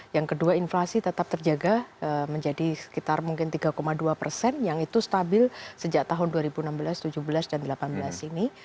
yang kedua inflasi tetap terjaga menjadi sekitar mungkin tiga dua persen yang itu stabil sejak tahun dua ribu enam belas dua ribu tujuh belas dan dua ribu delapan belas ini